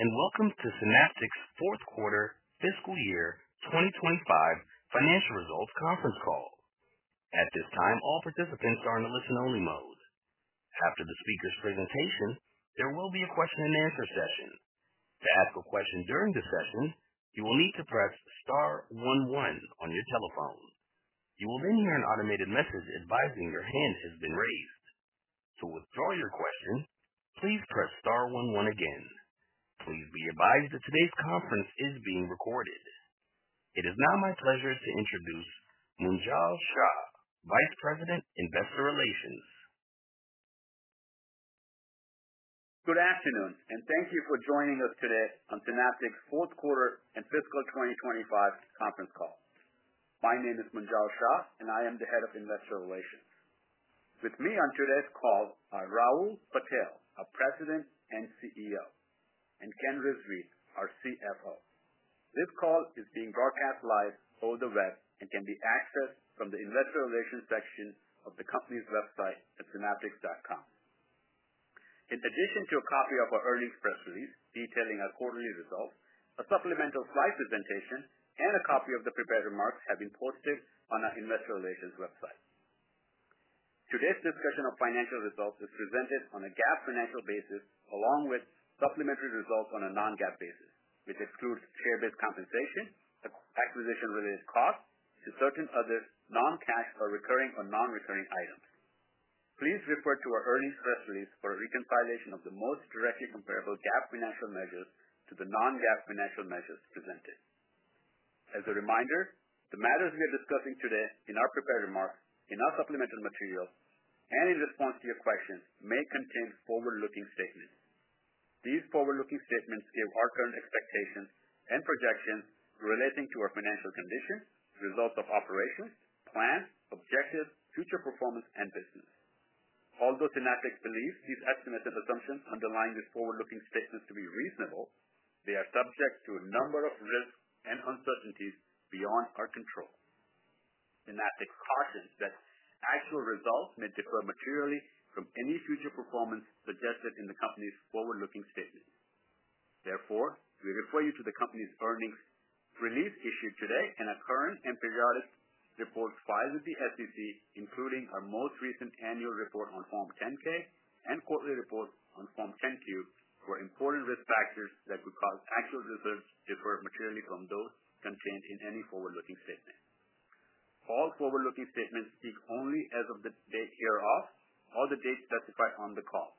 Welcome to Synaptics' fourth quarter, fiscal year 2025 financial results conference call. At this time, all participants are in a listen-only mode. After the speaker's presentation, there will be a question and answer session. To ask a question during this session, you will need to press star one one on your telephone. You will then hear an automated message advising your hand has been raised. To withdraw your question, please press star one one again. Please be advised that today's conference is being recorded. It is now my pleasure to introduce Munjal Shah, Vice President, Investor Relations. Good afternoon, and thank you for joining us today on Synaptics' fourth quarter and fiscal 2025 conference call. My name is Munjal Shah, and I am the Head of Investor Relations. With me on today's call are Rahul Patel, our President and CEO, and Ken Rizvi, our CFO. This call is being broadcast live over the web and can be accessed from the Investor Relations section of the company's website at synaptics.com. In addition to a copy of our earnings press release detailing our quarterly results, a supplemental slide presentation and a copy of the prepared remarks have been posted on our Investor Relations website. Today's discussion of financial results is presented on a GAAP financial basis along with supplementary results on a non-GAAP basis, which excludes share-based compensation, acquisition-related costs, and certain other non-cash or recurring or non-recurring items. Please refer to our earnings press release for a reconciliation of the most directly comparable GAAP financial measures to the non-GAAP financial measures presented. As a reminder, the matters we are discussing today in our prepared remarks, in our supplemental material, and in response to your question may contain forward-looking statements. These forward-looking statements give our current expectations and projections relating to our financial conditions, results of operations, plans, objectives, future performance, and business. Although Synaptics believes these estimates and assumptions underlying these forward-looking statements to be reasonable, they are subject to a number of risks and uncertainties beyond our control. Synaptics cautions that actual results may differ materially from any future performance suggested in the company's forward-looking statements. Therefore, we refer you to the company's earnings release issued today and our current and periodic reports filed with the SEC, including our most recent annual report on Form 10-K and quarterly report on Form 10-Q for important risk factors that could cause actual results to differ materially from those contained in any forward-looking statement. All forward-looking statements speak only as of the date hereof or the date specified on the call.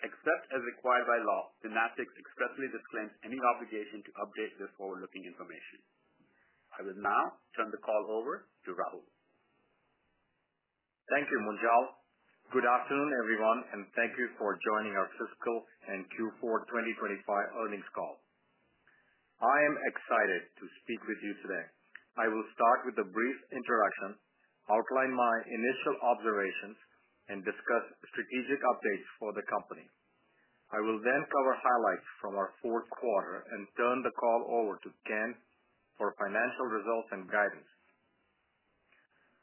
Except as required by law, Synaptics expressly disclaims any obligation to update this forward-looking information. I will now turn the call over to Rahul. Thank you, Munjal. Good afternoon, everyone, and thank you for joining our fiscal and Q4 2025 earnings call. I am excited to speak with you today. I will start with a brief introduction, outline my initial observations, and discuss strategic updates for the company. I will then cover highlights from our fourth quarter and turn the call over to Ken for financial results and guidance.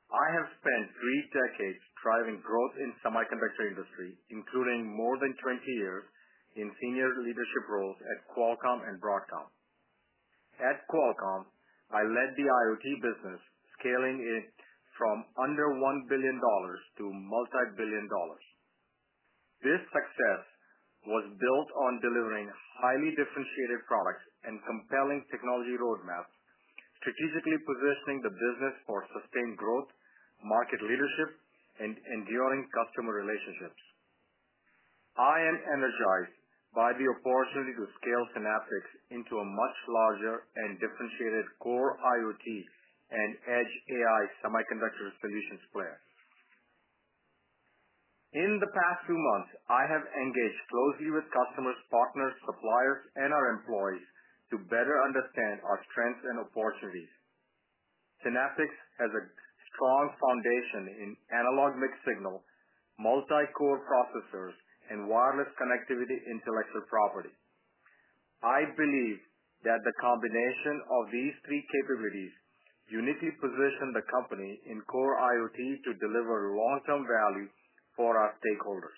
I have spent three decades driving growth in the semiconductor industry, including more than 20 years in senior leadership roles at Qualcomm and Broadcom. At Qualcomm, I led the IoT business, scaling it from under $1 billion to multibillion dollars. This success was built on delivering highly differentiated products and compelling technology roadmaps, strategically positioning the business for sustained growth, market leadership, and enduring customer relationships. I am energized by the opportunity to scale Synaptics into a much larger and differentiated Core IoT and Edge AI semiconductor solutions player. In the past few months, I have engaged closely with customers, partners, suppliers, and our employees to better understand our strengths and opportunities. Synaptics has a strong foundation in analog mixed signal, multi-core processors, and wireless connectivity intellectual property. I believe that the combination of these three capabilities uniquely positions the company in Core IoT to deliver long-term value for our stakeholders.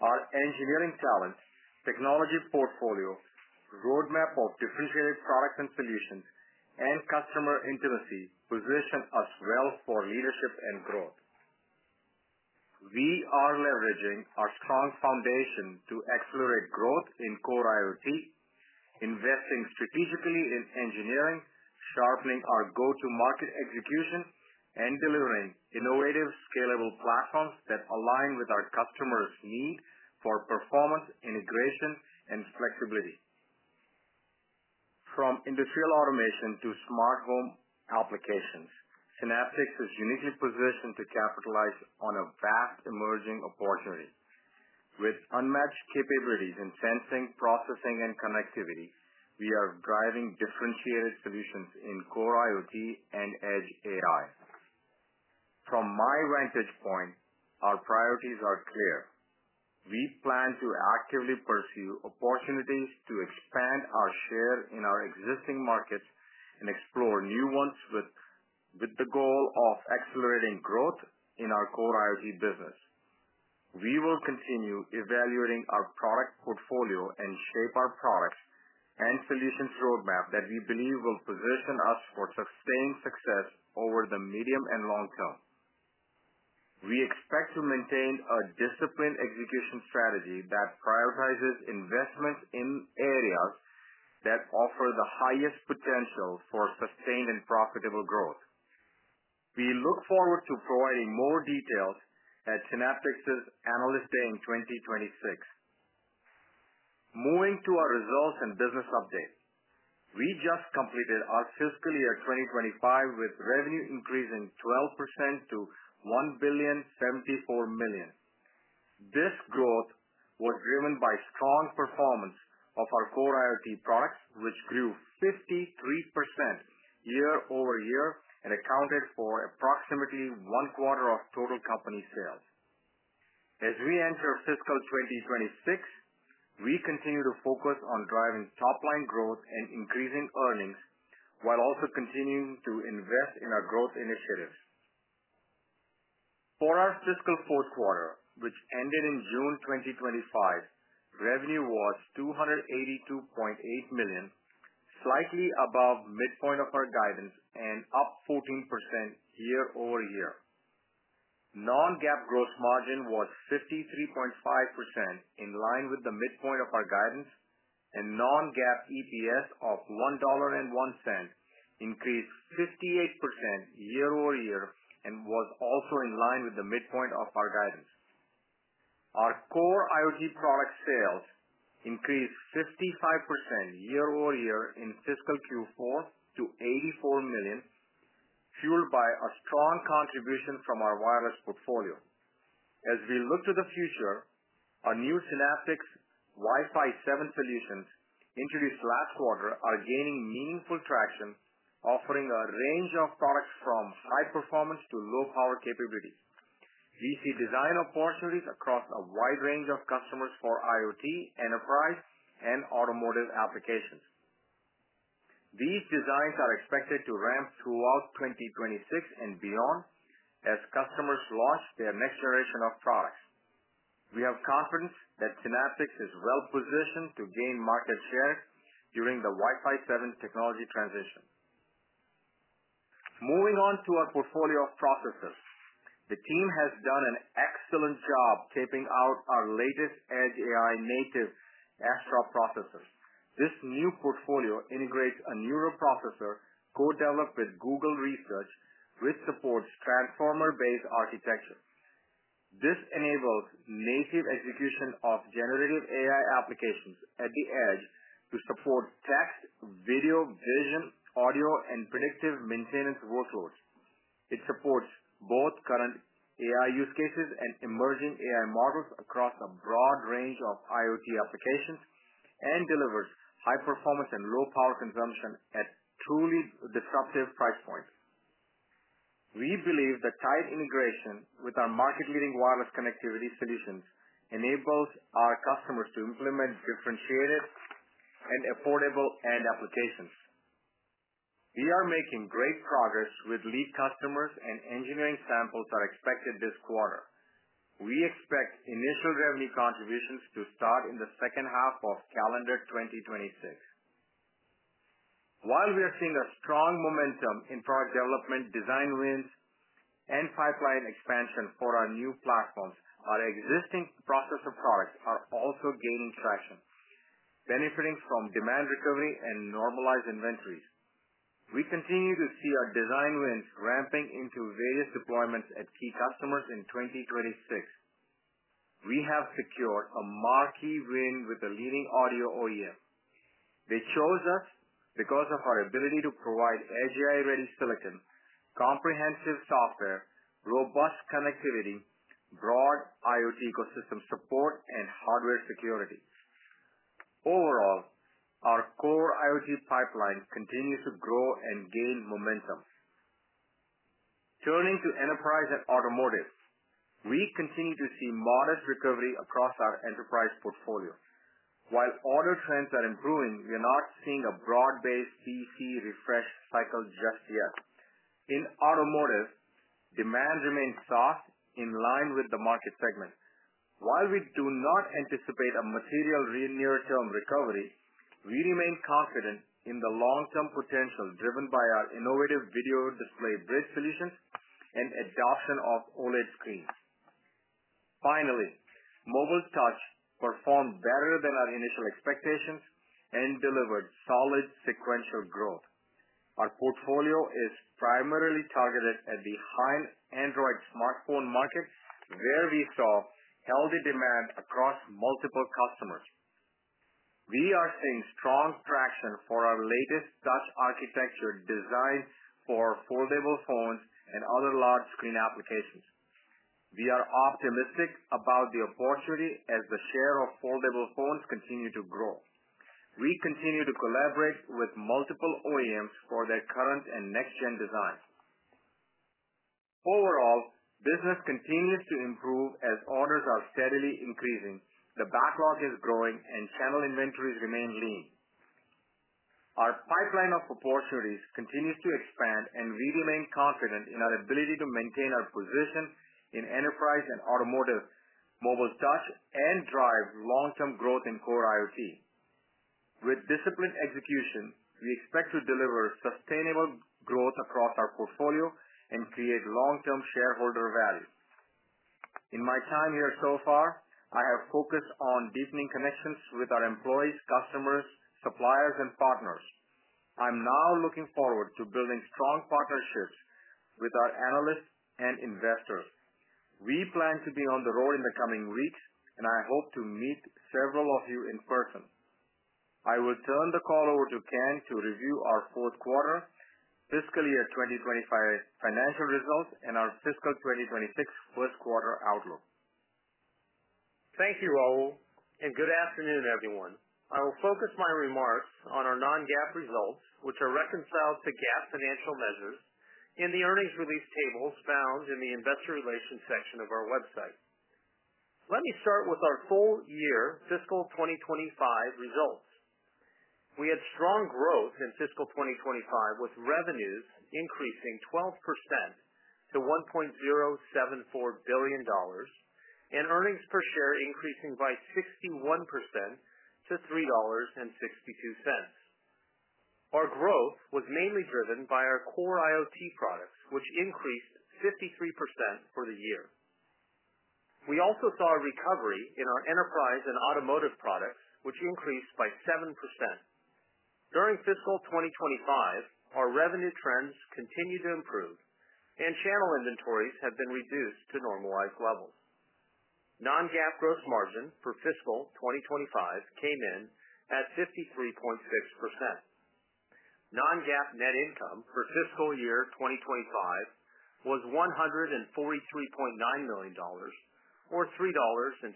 Our engineering talent, technology portfolio, roadmap of differentiated products and solutions, and customer intimacy position us well for leadership and growth. We are leveraging our strong foundation to accelerate growth in Core IoT, investing strategically in engineering, sharpening our go-to-market execution, and delivering innovative scalable platforms that align with our customers' need for performance, integration, and flexibility. From industrial automation to smart home applications, Synaptics is uniquely positioned to capitalize on a vast emerging opportunity. With unmatched capabilities in sensing, processing, and connectivity, we are driving differentiated solutions in Core IoT and Edge AI. From my vantage point, our priorities are clear. We plan to actively pursue opportunities to expand our share in our existing markets and explore new ones with the goal of accelerating growth in our Core IoT business. We will continue evaluating our product portfolio and shape our products and solutions roadmap that we believe will position us for sustained success over the medium and long term. We expect to maintain a disciplined execution strategy that prioritizes investments in areas that offer the highest potential for sustained and profitable growth. We look forward to providing more details at Synaptics' analyst day in 2026. Moving to our results and business updates, we just completed our fiscal year 2025 with revenue increasing 12% to $1.074 billion. This growth was driven by strong performance of our Core IoT products, which grew 53% year-over-year and accounted for approximately one quarter of total company sales. As we enter fiscal 2026, we continue to focus on driving top-line growth and increasing earnings while also continuing to invest in our growth initiatives. For our fiscal fourth quarter, which ended in June 2025, revenue was $282.8 million, slightly above midpoint of our guidance and up 14% year-over-year. Non-GAAP gross margin was 53.5%, in line with the midpoint of our guidance, and non-GAAP EPS of $1.01 increased 58% year-over-year and was also in line with the midpoint of our guidance. Our Core IoT product sales increased 55% year-over-year in Fiscal Q4 to $84 million, fueled by a strong contribution from our wireless portfolio. As we look to the future, our new Synaptics Wi-Fi 7 solutions introduced last quarter are gaining meaningful traction, offering a range of products from high performance to low power capabilities. We see design opportunities across a wide range of customers for IoT, enterprise, and automotive applications. These designs are expected to ramp throughout 2026 and beyond as customers launch their next generation of products. We have confidence that Synaptics is well positioned to gain market share during the Wi-Fi 7 technology transition. Moving on to our portfolio of processors, the team has done an excellent job taping out our latest Edge AI native Astra processors. This new portfolio integrates a Neural processor co-developed with Google Research, which supports transformer-based architecture. This enables native execution of generative AI applications at the edge to support text, video, vision, audio, and predictive maintenance workloads. It supports both current AI use cases and emerging AI models across a broad range of IoT applications and delivers high performance and low power consumption at a truly disruptive price point. We believe the tight integration with our market-leading wireless connectivity solutions enables our customers to implement differentiated and affordable end applications. We are making great progress with lead customers and engineering samples that are expected this quarter. We expect initial revenue contributions to start in the second half of calendar 2026. While we are seeing strong momentum in product development, Design wins, and pipeline expansion for our new platforms, our existing processor products are also gaining traction, benefiting from demand recovery and normalized inventories. We continue to see our Design wins ramping into various deployments at key customers in 2026. We have secured a marquee win with a leading audio OEM that chose us because of our ability to provide Edge AI-ready silicon, comprehensive software, robust connectivity, broad IoT ecosystem support, and hardware security. Overall, our Core IoT pipelines continue to grow and gain momentum. Turning to enterprise and automotive, we continue to see modest recovery across our enterprise portfolio. While order trends are improving, we are not seeing a broad-based EC refresh cycle just yet. In automotive, demand remains soft, in line with the market segment. While we do not anticipate a material near-term recovery, we remain confident in the long-term potential driven by our innovative video display bridge solutions and adoption of OLED screens. Finally, mobile touch performed better than our initial expectations and delivered solid sequential growth. Our portfolio is primarily targeted at the high Android smartphone market, where we saw healthy demand across multiple customers. We are seeing strong traction for our latest touch architecture designed for foldable phones and other large screen applications. We are optimistic about the opportunity as the share of foldable phones continues to grow. We continue to collaborate with multiple OEMs for their current and next-gen designs. Overall, business continues to improve as orders are steadily increasing, the backlog is growing, and channel inventories remain lean. Our pipeline of opportunities continues to expand, and we remain confident in our ability to maintain our position in enterprise and automotive, mobile touch, and drive long-term growth in Core IoT. With disciplined execution, we expect to deliver sustainable growth across our portfolio and create long-term shareholder value. In my time here so far, I have focused on deepening connections with our employees, customers, suppliers, and partners. I'm now looking forward to building strong partnerships with our analysts and investors. We plan to be on the road in the coming weeks, and I hope to meet several of you in person. I will turn the call over to Ken to review our fourth quarter, fiscal year 2025 financial results, and our fiscal 2026 first quarter outlook. Thank you, Rahul, and good afternoon, everyone. I will focus my remarks on our non-GAAP results, which are reconciled to GAAP financial measures in the earnings release tables found in the Investor Relations section of our website. Let me start with our full-year fiscal 2025 results. We had strong growth in fiscal 2025 with revenues increasing 12% to $1.074 billion and earnings per share increasing by 61% to $3.62. Our growth was mainly driven by our Core IoT products, which increased 53% for the year. We also saw a recovery in our enterprise and automotive products, which increased by 7%. During fiscal 2025, our revenue trends continued to improve, and channel inventories have been reduced to normalized levels. Non-GAAP gross margin for fiscal 2025 came in at 53.6%. Non-GAAP net income for fiscal year 2025 was $143.9 million or $3.62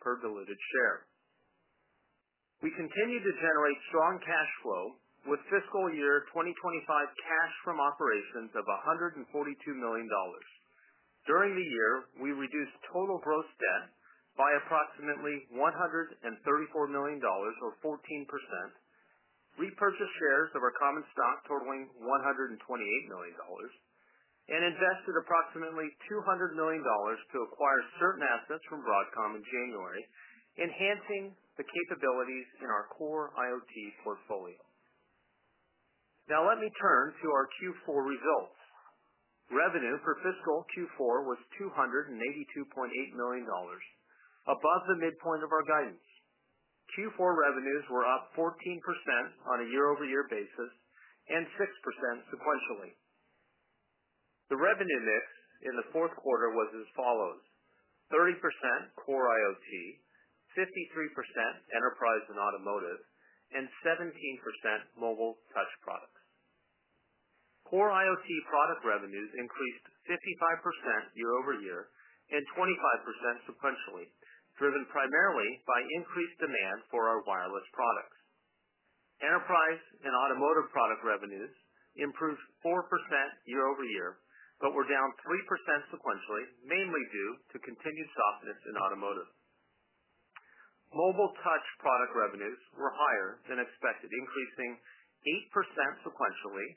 per diluted share. We continue to generate strong cash flow with fiscal year 2025 cash from operations of $142 million. During the year, we reduced total gross debt by approximately $134 million or 14%, repurchased shares of our common stock totaling $128 million, and invested approximately $200 million to acquire certain assets from Broadcom in January, enhancing the capabilities in our Core IoT portfolio. Now let me turn to our Q4 results. Revenue for Fiscal Q4 was $282.8 million, above the midpoint of our guidance. Q4 revenues were up 14% on a year-over-year basis and 6% sequentially. The revenue mix in the fourth quarter was as follows: 30% Core IoT, 53% enterprise and automotive, and 17% mobile touch products. Core IoT product revenues increased 55% year-over-year and 25% sequentially, driven primarily by increased demand for our wireless products. Enterprise and automotive product revenues improved 4% year-over-year, but were down 3% sequentially, mainly due to continued softness in automotive. Mobile touch product revenues were higher than expected, increasing 8% sequentially,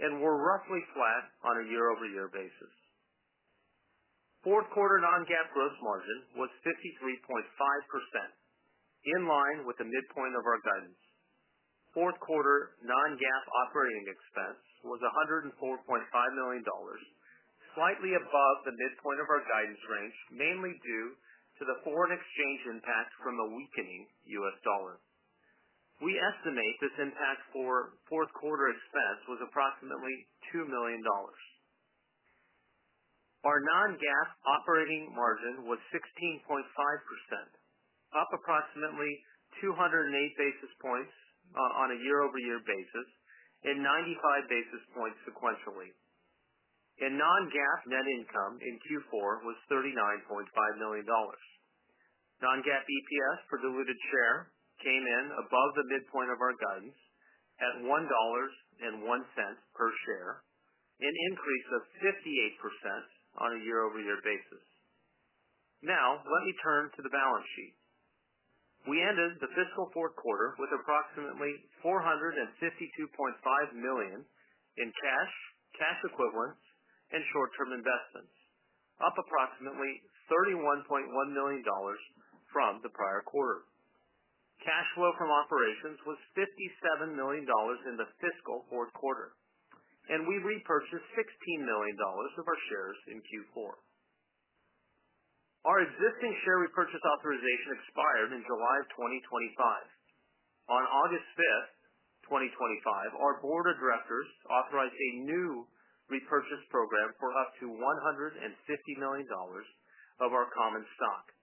and were roughly flat on a year-over-year basis. Fourth quarter non-GAAP gross margin was 53.5%, in line with the midpoint of our guidance. Fourth quarter non-GAAP operating expense was $104.5 million, slightly above the midpoint of our guidance range, mainly due to the foreign exchange impact from a weakening U.S. dollar. We estimate this impact for fourth quarter expense was approximately $2 million. Our non-GAAP operating margin was 16.5%, up approximately 208 basis points on a year-over-year basis and 95 basis points sequentially. Non-GAAP net income in Q4 was $39.5 million. Non-GAAP EPS for diluted share came in above the midpoint of our guidance at $1.01 per share, an increase of 58% on a year-over-year basis. Now let me turn to the balance sheet. We ended the fiscal fourth quarter with approximately $452.5 million in cash, cash equivalents, and short-term investments, up approximately $31.1 million from the prior quarter. Cash flow from operations was $57 million in the fiscal fourth quarter, and we repurchased $16 million of our shares in Q4. Our existing share repurchase authorization expired in July of 2025. On August 5, 2025, our board of directors authorized a new repurchase program for up to $150 million of our common stock.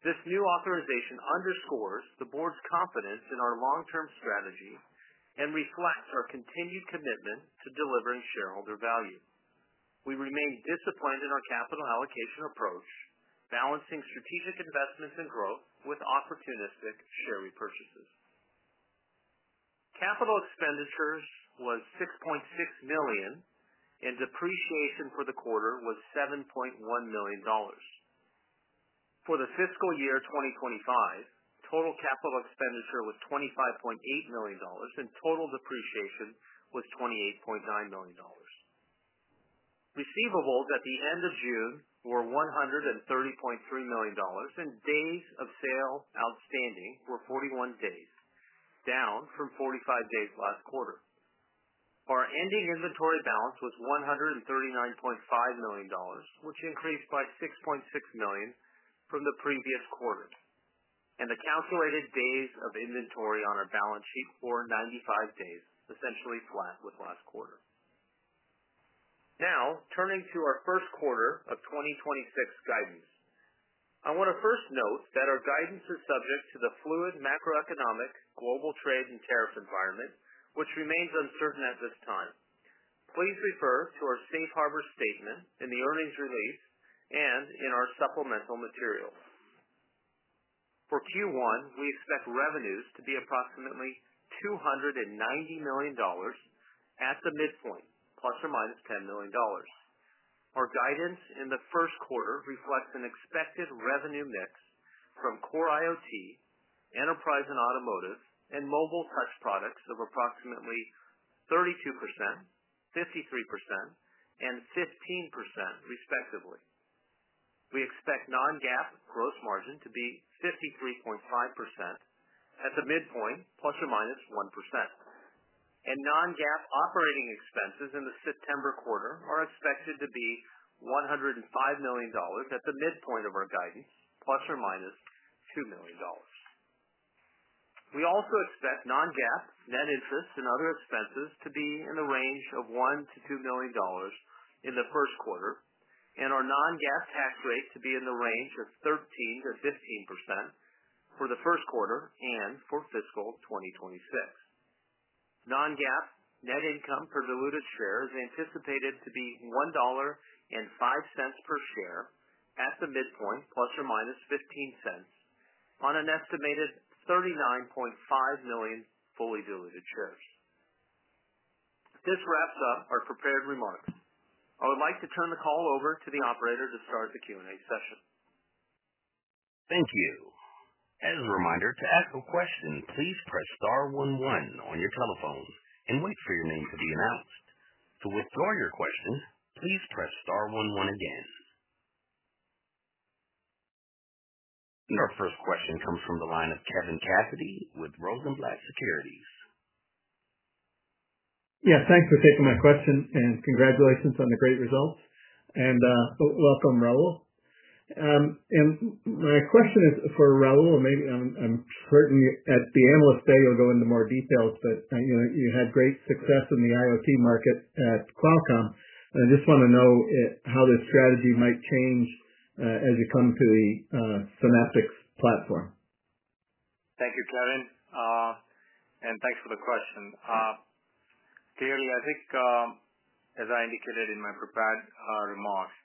This new authorization underscores the board's confidence in our long-term strategy and reflects our continued commitment to delivering shareholder value. We remain disciplined in our capital allocation approach, balancing strategic investments and growth with opportunistic share repurchases. Capital expenditures were $6.6 million, and depreciation for the quarter was $7.1 million. For the fiscal year 2025, total capital expenditure was $25.8 million, and total depreciation was $28.9 million. Receivables at the end of June were $130.3 million, and days of sale outstanding were 41 days, down from 45 days last quarter. Our ending inventory balance was $139.5 million, which increased by $6.6 million from the previous quarter. The calculated days of inventory on our balance sheet were 95 days, essentially flat with last quarter. Now turning to our first quarter of 2026 guidance, I want to first note that our guidance is subject to the fluid macroeconomic global trade and tariff environment, which remains uncertain at this time. Please refer to our Safe Harbor statement in the earnings release and in our supplemental material. For Q1, we expect revenues to be approximately $290 million at the midpoint, plus or minus $10 million. Our guidance in the first quarter reflects an expected revenue mix from Core IoT, enterprise and automotive, and mobile touch products of approximately 32%, 53%, and 15% respectively. We expect non-GAAP gross margin to be 53.5% at the midpoint, ±1%. Non-GAAP operating expenses in the September quarter are expected to be $105 million at the midpoint of our guidance, ±$2 million. We also expect non-GAAP net interest and other expenses to be in the range of $1 to $2 million in the first quarter, and our non-GAAP tax rate to be in the range of 13%-15% for the first quarter and for fiscal 2026. Non-GAAP net income per diluted share is anticipated to be $1.05 per share at the midpoint, ±$0.15 on an estimated 39.5 million fully diluted shares. This wraps up our prepared remarks. I would like to turn the call over to the operator to start the Q&A session. Thank you. As a reminder, to ask a question, please press star one one on your telephone and wait for your name to be announced. To withdraw your question, please press star one one again. Our first question comes from the line of Kevin Cassidy with Rosenblatt Securities. Thank you for taking that question, and congratulations on the great results. Welcome, Rahul. My question is for Rahul. I'm certain at the analyst day you'll go into more details, but you had great success in the IoT market at Qualcomm. I just want to know how this strategy might change as you come to the Synaptics platform. Thank you, Kevin. And thanks for the question. Clearly, I think, as I indicated in my prepared remarks,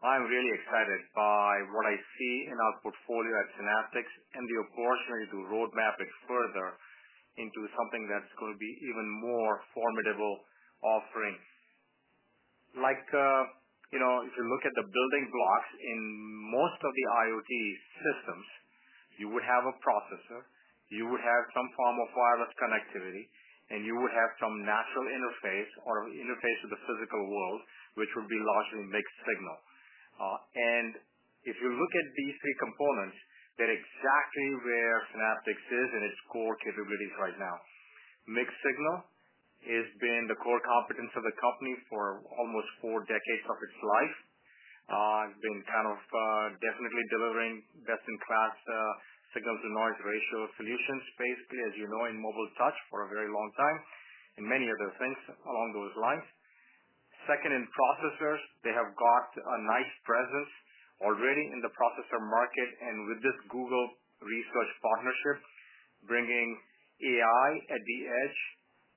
I'm really excited by what I see in our portfolio at Synaptics and the opportunity to roadmap it further into something that's going to be even more formidable offerings. Like, you know, if you look at the building blocks in most of the IoT systems, you would have a processor, you would have some form of wireless connectivity, and you would have some natural interface or an interface with the physical world, which would be largely analog mixed signal. If you look at these three components, they're exactly where Synaptics is in its core capabilities right now. Analog mixed signal has been the core competence of the company for almost four decades of its life. I've been definitely delivering best-in-class signal-to-noise ratio solutions, basically, as you know, in mobile touch for a very long time and many other things along those lines. Second, in processors, they have got a nice presence already in the processor market. With this Google Research partnership, bringing AI at the edge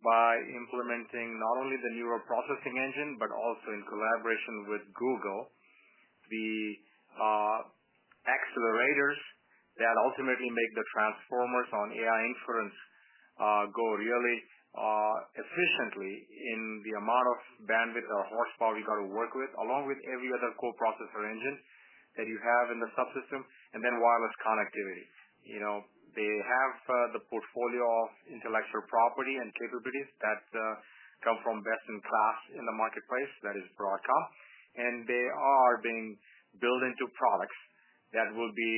by implementing not only the neural processing engine, but also in collaboration with Google, the accelerators that ultimately make the transformers on AI inference go really efficiently in the amount of bandwidth or horsepower we got to work with, along with every other core processor engine that you have in the subsystem. Wireless connectivity, you know, they have the portfolio of intellectual property and capabilities that come from best-in-class in the marketplace that is Broadcom. They are being built into products that will be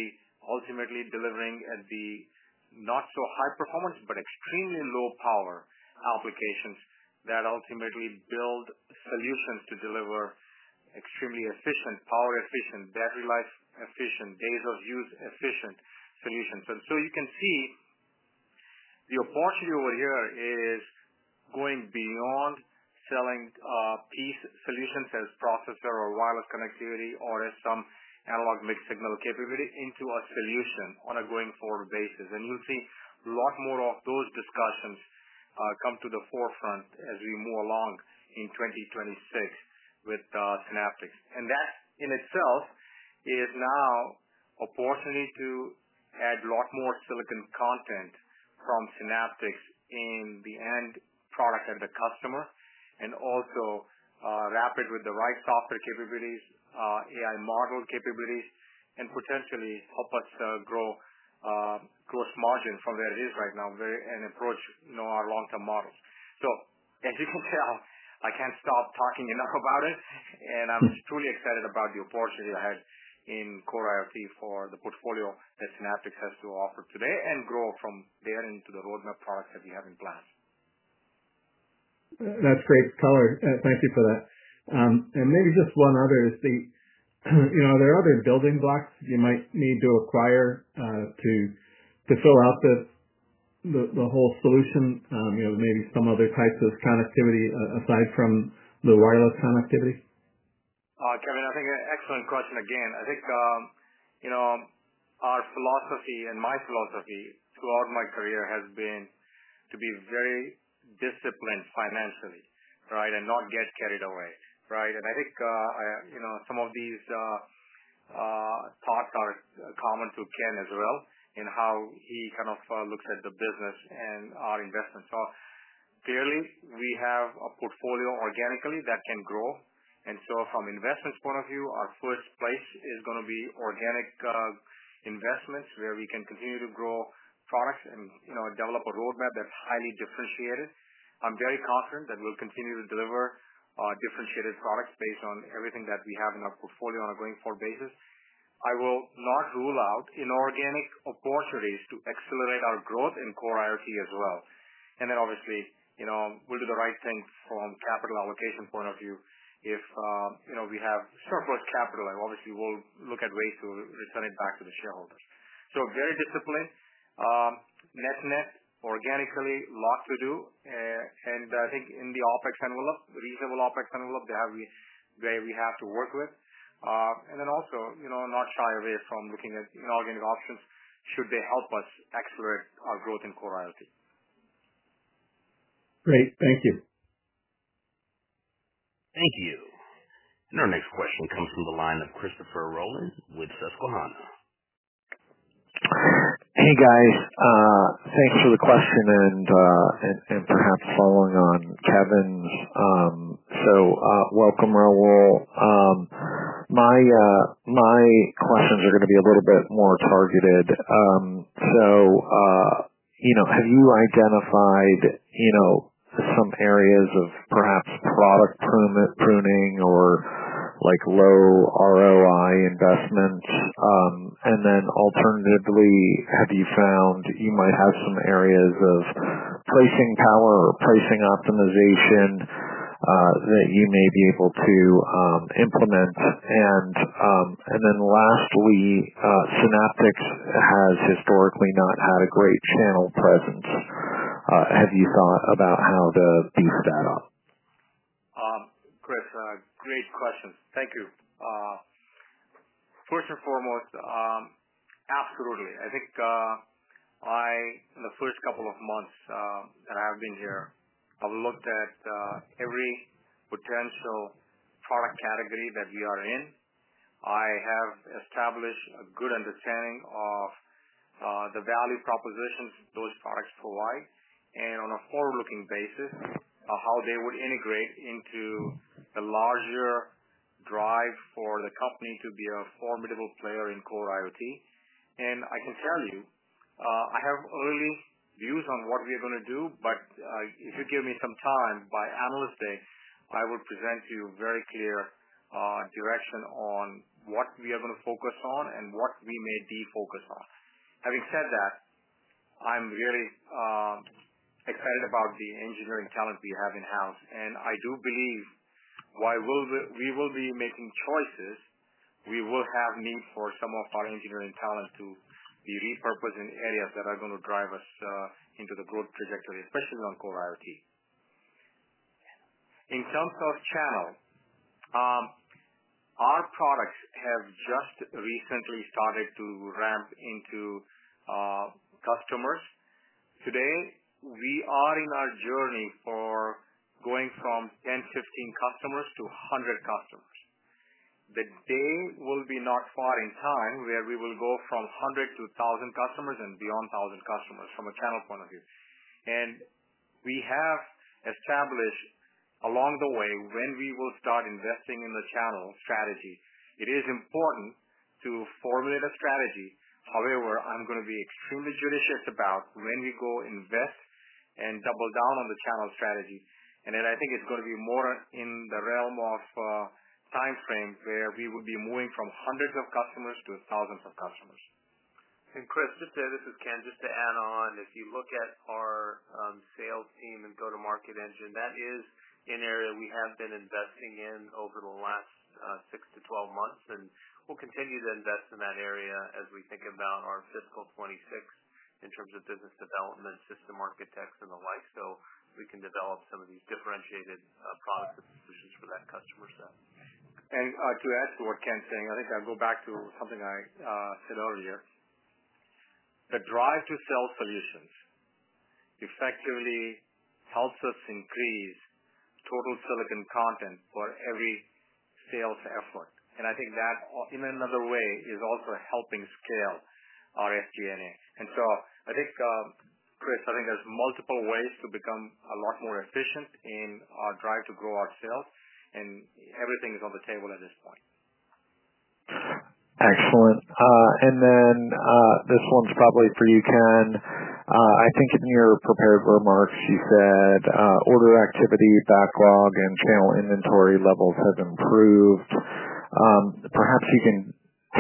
ultimately delivering at the not-so-high performance, but extremely low power applications that ultimately build solutions to deliver extremely efficient, power-efficient, battery-life efficient, days-of-use efficient solutions. You can see the opportunity over here is going beyond selling piece solutions as processor or wireless connectivity or as some analog mixed signal capability into a solution on a going-forward basis. You'll see a lot more of those discussions come to the forefront as we move along in 2026 with Synaptics. That in itself is now an opportunity to add a lot more silicon content from Synaptics in the end product and the customer, and also wrap it with the right copy capabilities, AI model capabilities, and potentially help us grow gross margin from where it is right now and approach our long-term models. As you can tell, I can't stop talking enough about it. I'm truly excited about the opportunity ahead in Core IoT for the portfolio that Synaptics has to offer today and grow from there into the roadmap products that we have in place. That's great, Patel. Thank you for that. Maybe just one other thing. You know, are there other building blocks you might need to acquire to fill out the whole solution? You know, maybe some other types of connectivity aside from the wireless connectivity? Kevin, I think an excellent question again. I think our philosophy and my philosophy throughout my career has been to be very disciplined financially, right, and not get carried away, right? I think some of these thoughts are common to Ken as well in how he kind of looks at the business and our investments. Clearly, we have a portfolio organically that can grow. From an investment point of view, our first place is going to be organic investments where we can continue to grow products and develop a roadmap that's highly differentiated. I'm very confident that we'll continue to deliver differentiated products based on everything that we have in our portfolio on a going-forward basis. I will not rule out inorganic opportunities to accelerate our growth in Core IoT as well. Obviously, we'll do the right thing from a capital allocation point of view if we have so-called capital. Obviously, we'll look at ways to return it back to the shareholders. Very disciplined, net-net, organically, lots to do. I think in the OpEx envelope, reasonable OpEx envelope, they have where we have to work with. Also, not shy away from looking at inorganic options should they help us accelerate our growth in Core IoT. Great. Thank you. Thank you. Our next question comes from the line of Christopher Rolland with Susquehanna. Hey, guys. Thanks for the question and perhaps following on Kevin. Welcome, Rahul. My questions are going to be a little bit more targeted. Have you identified, you know, some areas of perhaps product pruning or like low ROI investments? Alternatively, have you found you might have some areas of pricing power or pricing optimization that you may be able to implement? Lastly, Synaptics has historically not had a great channel presence. Have you thought about how to tease that out? Chris, great questions. Thank you. First and foremost, absolutely. I think in the first couple of months that I have been here, I have looked at every potential product category that we are in. I have established a good understanding of the value propositions those products provide, and on a forward-looking basis, how they would integrate into the larger drive for the company to be a formidable player in Core IoT. I can tell you, I have early views on what we are going to do, but if you give me some time by analyst day, I will present to you a very clear direction on what we are going to focus on and what we may de-focus on. Having said that, I'm really excited about the engineering talent we have in-house. I do believe while we will be making choices, we will have need for some of our engineering talent to be repurposed in areas that are going to drive us into the growth trajectory, especially on Core IoT. In terms of channel, our products have just recently started to ramp into customers. Today, we are in our journey for going from 10, 15 customers to 100 customers. The day will be not far in time where we will go from 100 to 1,000 customers and beyond 1,000 customers from a channel point of view. We have established along the way when we will start investing in the channel strategy. It is important to formulate a strategy. However, I'm going to be extremely judicious about when we go invest and double down on the channel strategy. I think it's going to be more in the realm of time span where we would be moving from hundreds of customers to thousands of customers. Chris, just to, this is Ken, just to add on, if you look at our sales team and go-to-market engine, that is an area we have been investing in over the last six to 12 months. We'll continue to invest in that area as we think about our fiscal 2026 in terms of business development, system architects, and the like, so we can develop some of these differentiated products and solutions for that customer set. To add to what Ken's saying, I think I'll go back to something I said earlier. The drive to sell solutions effectively helps us increase total silicon content for every sales effort. I think that, in another way, is also helping scale our SG&A. I think, Chris, there's multiple ways to become a lot more efficient in our drive to grow our sales, and everything is on the table at this point. Excellent. This one's probably for you, Ken. I think in your prepared remarks, you said order activity, backlog, and sale inventory levels have improved. Perhaps you can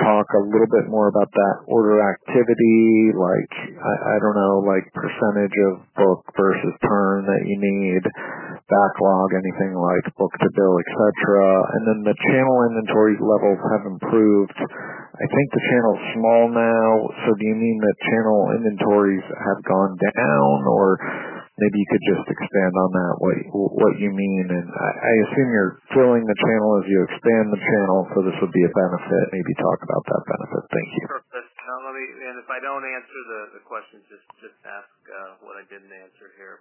talk a little bit more about that order activity, like percentage of book versus turn that you need, backlog, anything like Book to bill, etc. The channel inventory levels have improved. I think the channel is small now. Do you mean that channel inventories have gone down, or maybe you could just expand on that? What you mean is I assume you're growing the channel as you expand the channel, so this would be a benefit. Maybe talk about that benefit thing. Sure. If I don't answer the questions, just ask what I didn't answer here.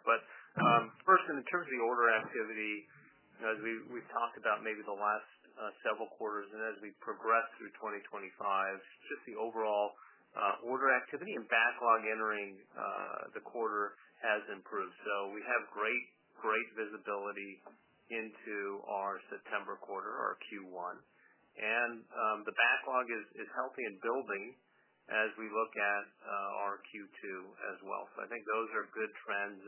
First, in terms of the order activity, as we've talked about maybe the last several quarters, and as we progress through 2025, it's just the overall order activity and backlog entering the quarter has improved. We have great, great visibility into our September quarter, our Q1, and the backlog is healthy and building as we look at our Q2 as well. I think those are good trends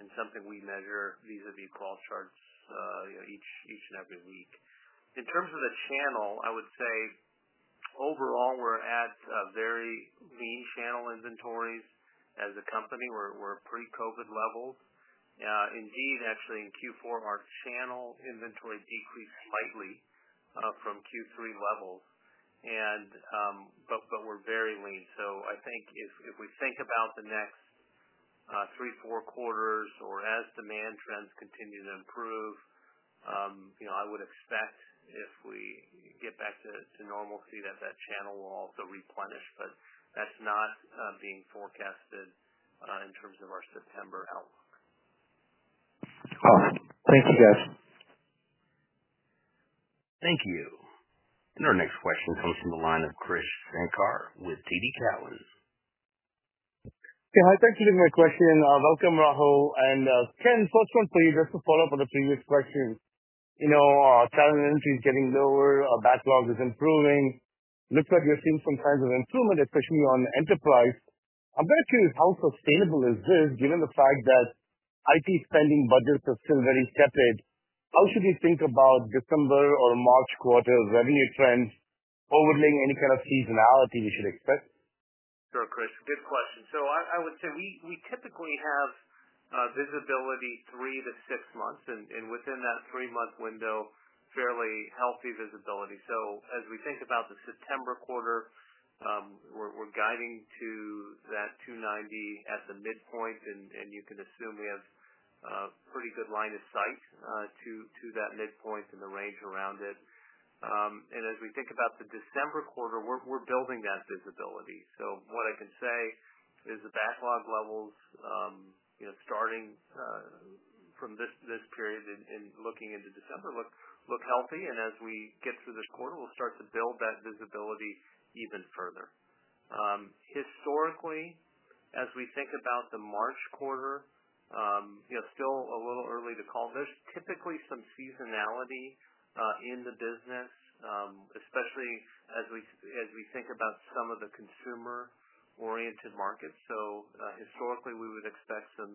and something we measure vis-a-vis close charts each and every week. In terms of the channel, I would say overall we're at very lean channel inventories as a company. We're pre-COVID levels. Indeed, actually, in Q4, our channel inventory decreased slightly from Q3 levels, and we're very lean. I think if we think about the next three, four quarters, or as demand trends continue to improve, I would expect if we get back to normalcy that that channel will also replenish. That's not being forecasted. Thank you. Our next question comes from the line of Chris Krueger with TD Cowen. I'd like to give my question. Welcome, Rahul. Ken, first one for you, just to follow up on the previous question. You know, channel entry is getting lower. Backlog is improving. Looks like you're seeing some kinds of improvement, especially on enterprise. I'm very curious, how sustainable is this given the fact that IT spending budgets are still very tepid? How should we think about December or March quarter revenue trends overlaying any kind of seasonality we should expect? Sure, Chris. Good question. I would say we typically have visibility three to six months, and within that three-month window, fairly healthy visibility. As we think about the September quarter, we're guiding to that $290 million as a midpoint, and you can assume we have a pretty good line of sight to that midpoint and the range around it. As we think about the December quarter, we're building that visibility. What I can say is the backlog levels, starting from this period and looking into December, look healthy. As we get through this quarter, we'll start to build that visibility even further. Historically, as we think about the March quarter, it's still a little early to call. There's typically some seasonality in the business, especially as we think about some of the consumer-oriented markets. Historically, we would expect some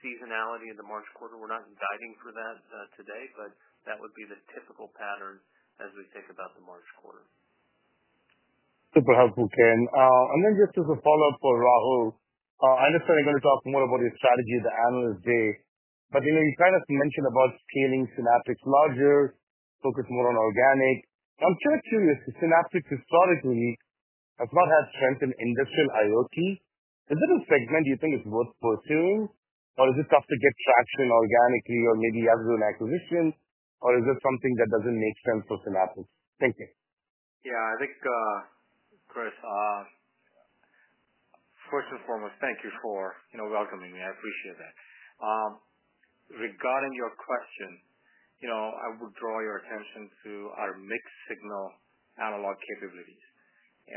seasonality in the March quarter. We're not guiding for that today, but that would be the typical pattern as we think about the March quarter. Super helpful, Ken. Just as a follow-up for Rahul, I understand you're going to talk more about your strategy at the analyst day, but you kind of mentioned about scaling Synaptics larger, focus more on organic. I'm sort of curious, Synaptics historically has not had strength in industrial IoT. Is there a segment you think it's worth pursuing, or is it tough to get traction organically or maybe you have to do an acquisition, or is it something that doesn't make sense for Synaptics? Thank you. Yeah, I think, Chris, first and foremost, thank you for, you know, welcoming me. I appreciate that. Regarding your question, I would draw your attention to our analog mixed signal capabilities,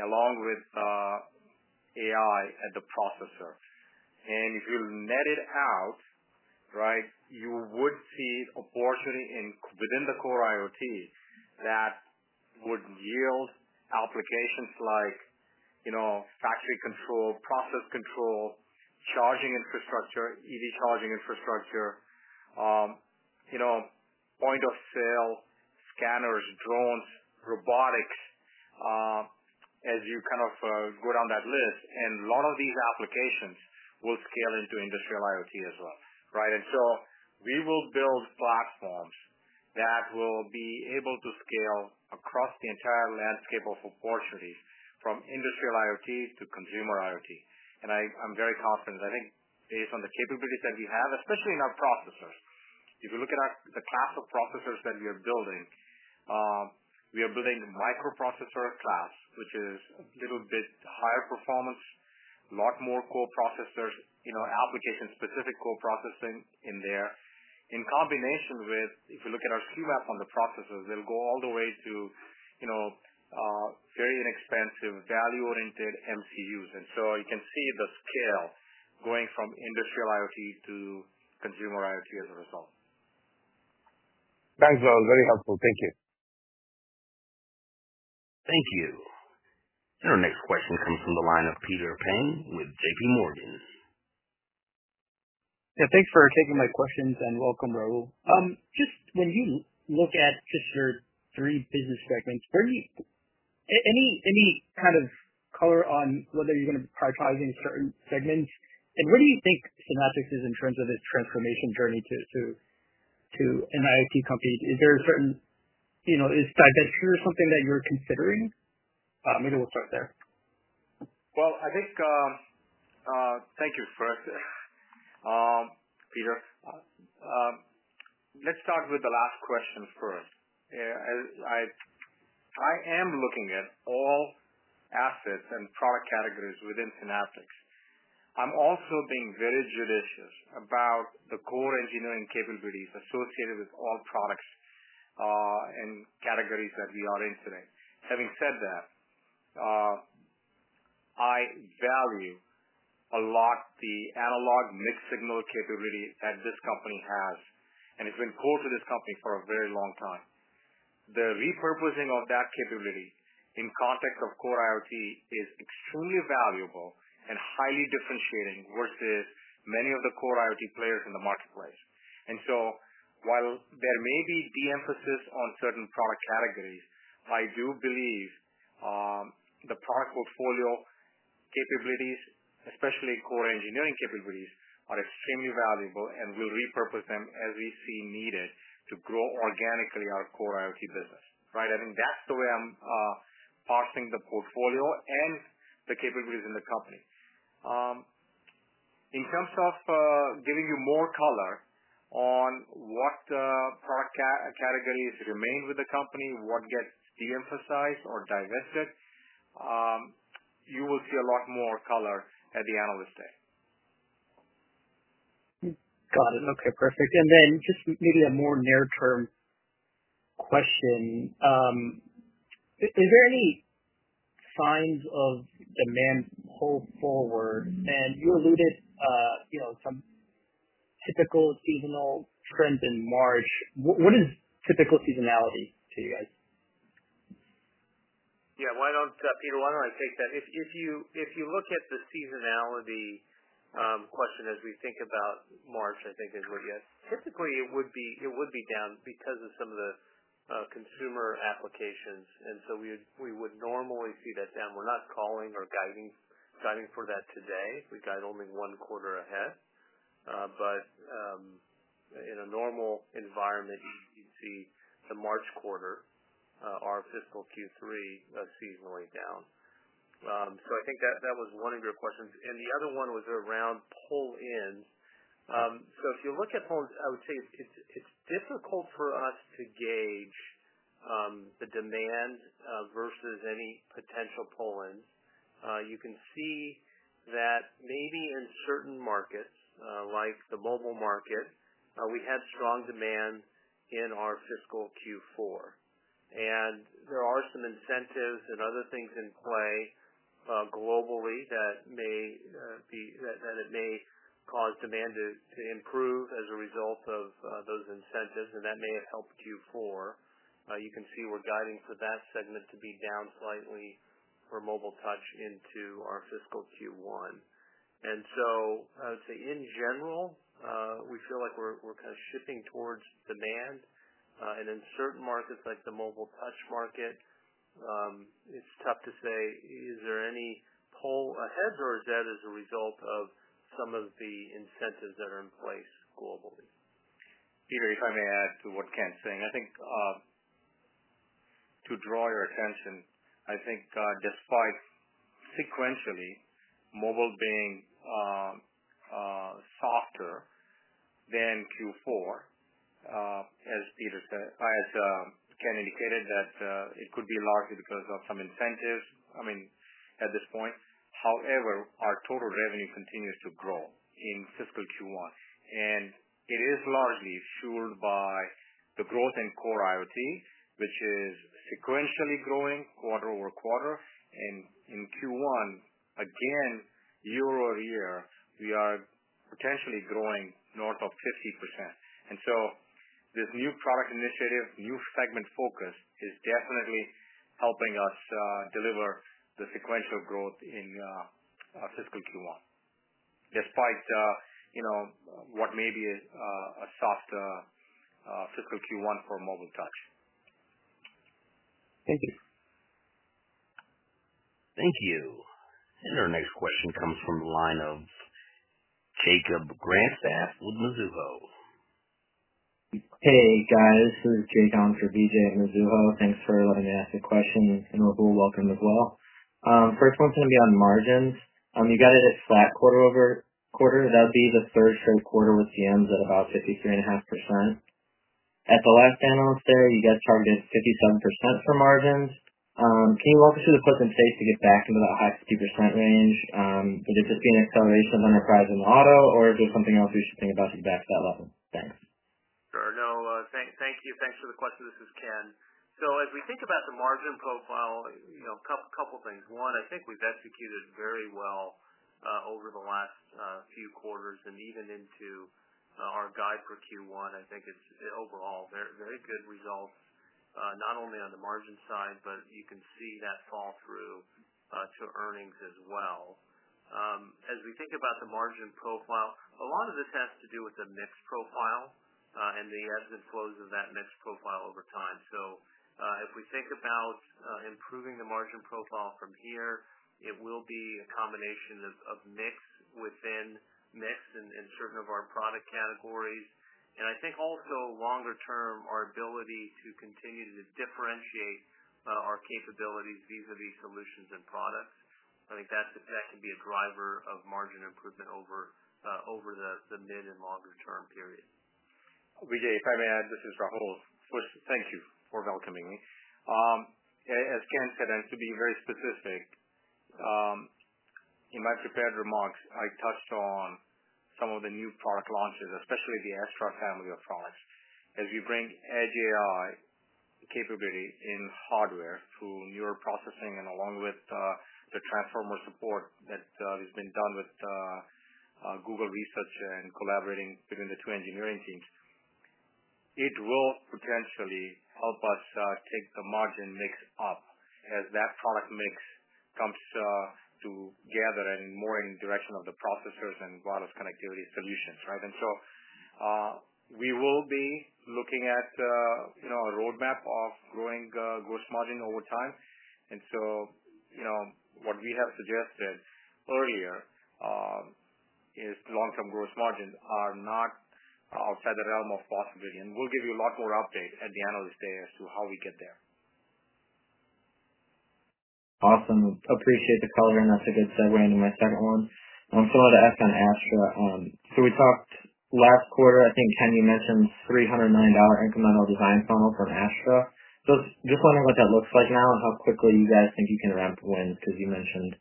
along with AI at the processor. If you net it out, you would see opportunity within the Core IoT that would yield applications like factory control, process control, charging infrastructure, EV charging infrastructure, point of sale, scanners, drones, robotics, as you go down that list. A lot of these applications will scale into industrial IoT as well, right? We will build platforms that will be able to scale across the entire landscape of opportunities from industrial IoT to consumer IoT. I'm very confident. I think based on the capabilities that we have, especially in our processors, if you look at the class of processors that we are building, we are building microprocessor class, which is a little bit higher performance, a lot more core processors, application-specific core processing in there. In combination with, if you look at our QMAP on the processors, they'll go all the way to very inexpensive, value-oriented MCUs. You can see the scale going from industrial IoT to consumer IoT as a result. Thanks, Rahul. Very helpful. Thank you. Thank you. Our next question comes from the line of Peter Peng with JPMorgan. Yeah, thanks for taking my questions and welcome, Rahul. When you look at just your three business segments, any kind of color on whether you're going to be prioritizing certain segments? Where do you think Synaptics is in terms of its transformation journey to an IoT company? Is there a certain, you know, is Synaptics something that you're considering? Maybe we'll start there. Thank you, Peter. Let's start with the last question first. I am looking at all assets and product categories within Synaptics. I'm also being very judicious about the core engineering capabilities associated with all products and categories that we are in today. Having said that, I value a lot the analog mixed signal capability that this company has, and it's been core to this company for a very long time. The repurposing of that capability in the context of Core IoT is extremely valuable and highly differentiating versus many of the Core IoT players in the marketplace. While there may be de-emphasis on certain product categories, I do believe the product portfolio capabilities, especially core engineering capabilities, are extremely valuable and will repurpose them as we see needed to grow organically our Core IoT business, right? I think that's the way I'm partnering the portfolio and the capabilities in the company. In terms of giving you more color on what the product categories remain with the company, what gets de-emphasized or divested, you will see a lot more color at the analyst day. Got it. Okay, perfect. Maybe a more narrowed-term question. Is there any signs of demand pull forward? You alluded, you know, some typical seasonal trends in March. What is typical seasonality to you guys? Why don't I take that? If you look at the seasonality question as we think about March, I think is what you asked. Typically, it would be down because of some of the consumer applications. We would normally see that down. We're not calling or guiding for that today. We guide only one quarter ahead. In a normal environment, you see the March quarter, our Fiscal Q3, seasonally down. I think that was one of your questions. The other one was around Pull-ins. If you look at Pull-ins, I would say it's difficult for us to gauge the demand versus any potential Pull-ins. You can see that maybe in certain markets, like the mobile market, we had strong demand in our Fiscal Q4. There are some incentives and other things in play globally that may be that it may cause demand to improve as a result of those incentives, and that may have helped Q4. You can see we're guiding for that segment to be down slightly for mobile touch into our Fiscal Q1. I would say in general, we feel like we're kind of shifting towards demand. In certain markets, like the mobile touch market, it's tough to say is there any pull ahead, or is that as a result of some of the incentives that are in place globally? Peter, if I may add to what Ken's saying, I think to draw your attention, I think despite sequentially mobile being softer than Q4, as Peter said, as Ken indicated, that it could be largely because of some incentives, I mean, at this point. However, our total revenue continues to grow in Fiscal Q1. It is largely fueled by the growth in Core IoT, which is sequentially growing quarter-over-quarter. In Q1, again, year-over-year, we are potentially growing north of 50%. This new product initiative, new segment focus, is definitely helping us deliver the sequential growth in our Fiscal Q1, despite what may be a softer Fiscal Q1 for mobile touch. Thank you. Thank you. Our next question comes from the line of Jacob Grandstaff with Mizuho. Hey, guys. This is Jacob for DJ Mizuho. Thanks for letting me ask a question, and overall, welcome as well. First question would be on margins. You got a flat quarter-over-quarter. That'd be the third straight quarter with margins at about 53.5%. At the last analyst there, you guys targeted 57% for margins. Can you walk us through the clip in place to get back into that high 50% range? Could it just be an acceleration of enterprise and auto, or is there something else we should think about to get back to that level? Thanks. Sure. No, thank you. Thanks for the question. This is Ken. As we think about the margin profile, a couple of things. One, I think we've executed very well over the last few quarters, and even into our guide for Q1, I think it's overall very good results, not only on the margin side, but you can see that fall through to earnings as well. As we think about the margin profile, a lot of this has to do with the mixed profile and the ebbs and flows of that mixed profile over time. If we think about improving the margin profile from here, it will be a combination of mix within mix and certain of our product categories. I think also longer term, our ability to continue to differentiate our capabilities vis-a-vis solutions and products. I think that can be a driver of margin improvement over the mid and longer term period. Vijay, if I may add, this is Rahul. Thank you for welcoming me. As Ken said, I have to be very specific. In my prepared remarks, I touched on some of the new product launches, especially the Astra family of products. As we bring Edge AI capability in hardware for neural processing and along with the transformer support that has been done with Google Research and collaborating between the two engineering teams, it will potentially help us take the margin mix up as that product mix comes together and more in the direction of the processors and wireless connectivity solutions, right? We will be looking at a roadmap of growing gross margin over time. What we have suggested earlier is long-term gross margins are not outside the realm of possibility. We will give you a lot more updates at the analyst day as to how we get there. Awesome. Appreciate the call here. I'm not sure if it's a way to make that one. I'm glad to ask on Astra. We talked last quarter, I think, Ken, you mentioned $300 million incremental design funnel from Astra. Just wondering what that looks like now and how quickly you guys think you can ramp wins because you mentioned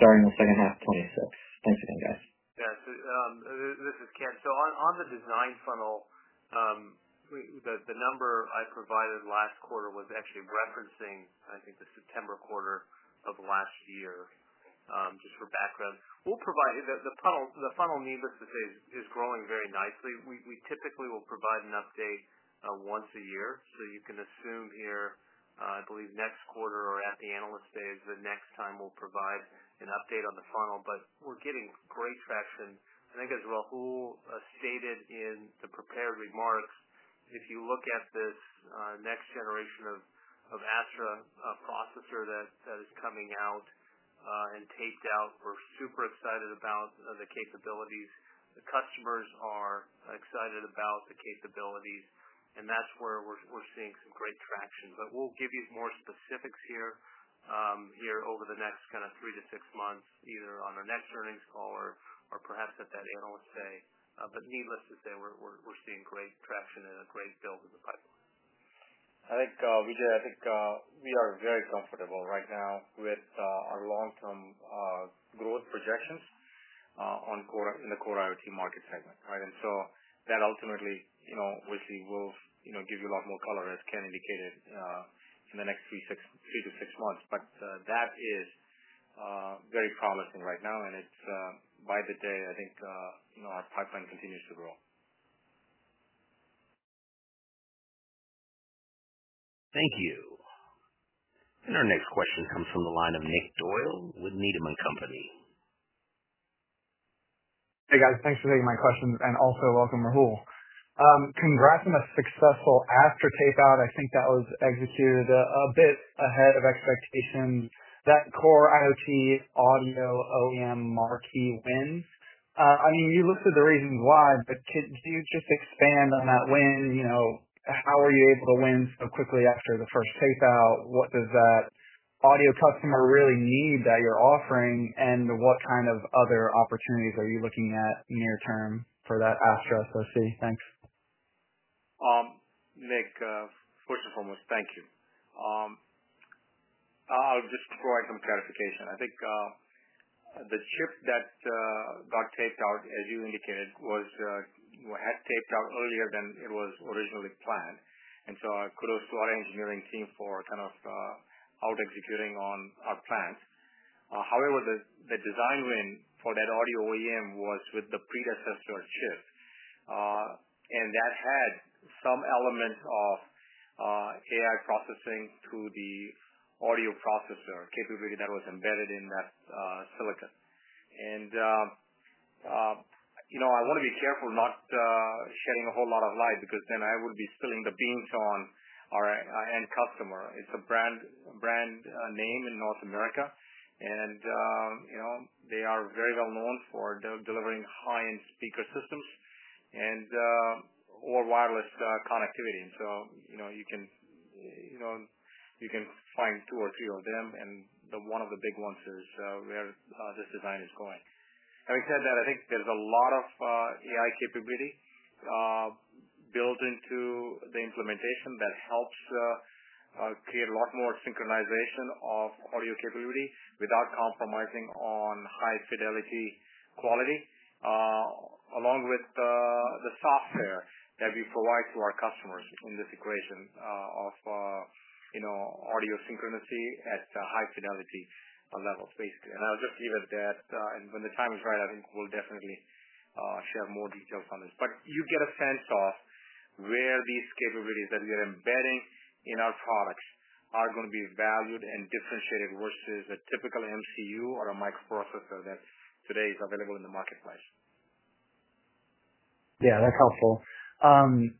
starting the second half of 2022. Yeah. Yeah. This is Ken. On the design funnel, the number I provided last quarter was actually referencing, I think, the September quarter of last year, just for background. We'll provide the funnel, needless to say, is growing very nicely. We typically will provide an update once a year. You can assume here, I believe, next quarter or at the analyst day is the next time we'll provide an update on the funnel. We're getting great traction. I think as Rahul stated in the prepared remarks, if you look at this next generation of Astra Edge AI processor that is coming out and taped out, we're super excited about the capabilities. The customers are excited about the capabilities. That's where we're seeing some great traction. We'll give you more specifics here over the next kind of three to six months, either on our next earnings call or perhaps at that analyst day. Needless to say, we're seeing great traction and a great build in the pipeline. I think we are very comfortable right now with our long-term growth projections in the Core IoT market segment, right? That ultimately, you know, obviously will give you a lot more color, as Ken indicated, in the next three to six months. That is very promising right now. By the day, I think our pipeline continues to grow. Thank you. Our next question comes from the line of Nick Doyle with Needham & Company. Hey, guys. Thanks for taking my question. Also, welcome, Rahul. Congrats on a successful Astra tapeout. I think that was executed a bit ahead of expectations. That Core IoT audio OEM Marquee wins. You looked at the reasons why, but can you just expand on that win? How are you able to win so quickly after the first tapeout? What does that audio customer really need that you're offering? What kind of other opportunities are you looking at near term for that Astra associated? Thanks. Nick, first and foremost, thank you. I'll just provide some clarification. I think the chip that got taped out, as you indicated, has taped out earlier than it was originally planned. I kudos to our engineering team for kind of out executing on our plans. However, the design win for that audio OEM was with the predecessor chip. That had some elements of AI processing to the audio processor capability that was embedded in that silicon. I want to be careful not shedding a whole lot of light because then I would be spilling the beans on our end customer. It's a brand name in North America. They are very well known for delivering high-end speaker systems and more wireless connectivity. You can find two or three of them. One of the big ones is where this design is going. Having said that, I think there's a lot of AI capability built into the implementation that helps create a lot more synchronization of audio capability without compromising on high fidelity quality, along with the software that we provide to our customers in this equation of audio synchronicity at the high fidelity levels, basically. I'll just leave it at that. When the time is right, I think we'll definitely share more details on this. You get a sense of where these capabilities that we are embedding in our products are going to be valued and differentiated versus a typical MCU or a microprocessor that today is available in the marketplace. Yeah, that's helpful.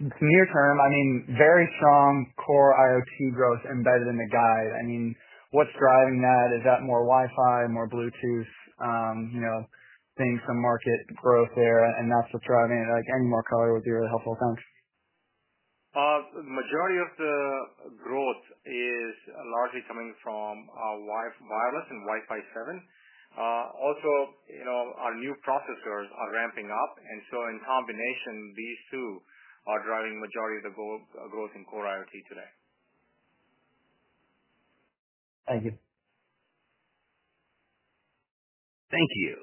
To your term, I mean, very strong Core IoT growth embedded in the guide. What's driving that? Is that more Wi-Fi, more Bluetooth, you know, thing from market growth there? That's what's driving it. Any more color would be really helpful. Thanks. The majority of the growth is largely coming from wireless and Wi-Fi 7. Also, our new processors are ramping up. In combination, these two are driving the majority of the growth in Core IoT today. Thank you. Thank you.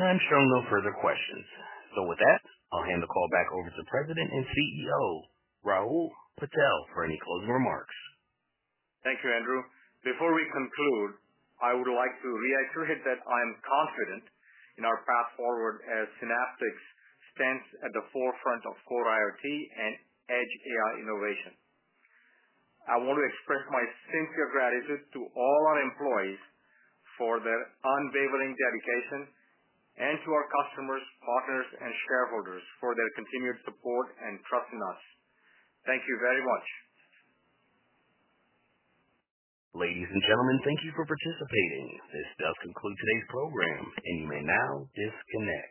I'm sure I'll have no further questions. With that, I'll hand the call back over to the President and CEO, Rahul Patel, for any closing remarks. Thank you, Andrew. Before we conclude, I would like to reiterate that I am confident in our path forward as Synaptics stands at the forefront of Core IoT and Edge AI innovation. I want to express my sincere gratitude to all our employees for their unwavering dedication and to our customers, partners, and shareholders for their continued support and trust in us. Thank you very much. Ladies and gentlemen, thank you for participating. This does conclude today's program. You may now disconnect.